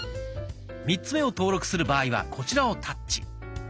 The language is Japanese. ３つ目を登録する場合はこちらをタッチ。